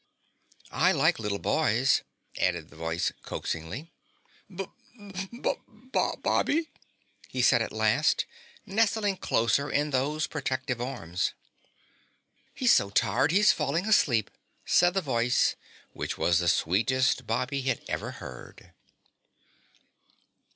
"I like little boys," added the voice coaxingly. "B B Bob b by," he said at last, nestling closer in those protecting arms. "He's so tired he's falling asleep," said the voice which was the sweetest Bobby had ever heard.